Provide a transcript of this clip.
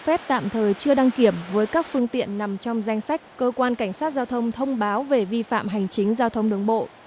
phép tạm thời chưa đăng kiểm với các phương tiện nằm trong danh sách cơ quan cảnh sát giao thông thông báo về vi phạm hành chính giao thông đường bộ